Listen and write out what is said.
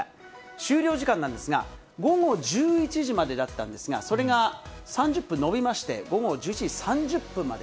終了時間なんですが、午後１１時までだったんですが、それが３０分延びまして、午後１１時３０分まで。